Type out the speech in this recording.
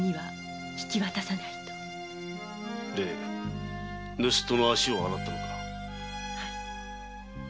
それで盗っ人の足を洗ったのか。